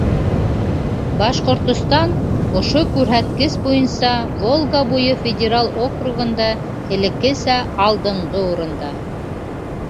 Башҡортостан — ошо күрһәткес буйынса Волга буйы федераль округында, элеккесә, алдынғы урында.